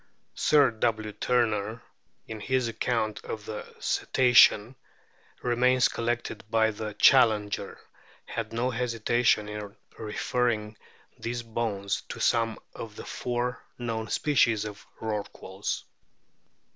Sir W. Turner, in his account of the Cetacean remains collected by the Challenger, had no hesitation in referring these bones to some of the o four known species of Rorquals.